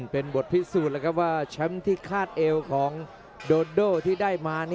เป็นบทพิสูจน์แล้วครับว่าแชมป์ที่คาดเอวของโดโดที่ได้มา